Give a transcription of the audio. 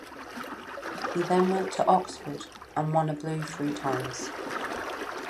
He then went to Oxford, and won a blue three times.